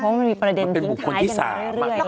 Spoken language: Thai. เพราะมันมีประเด็นทิ้งท้ายกันมาเรื่อย